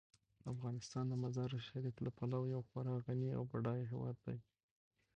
افغانستان د مزارشریف له پلوه یو خورا غني او بډایه هیواد دی.